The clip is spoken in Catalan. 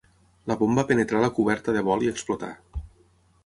La bomba penetrà la coberta de vol i explotà.